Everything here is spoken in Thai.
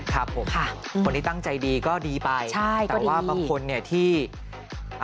ครับผมคนที่ตั้งใจดีก็ดีไปแต่ว่าบางคนเนี่ยที่ใช่ก็ดี